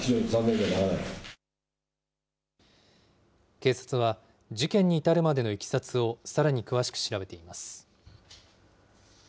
警察は、事件に至るまでのいきさつをさらに詳しく調べています。